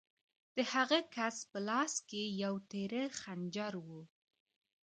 د هغه کس په لاس کې یو تېره خنجر و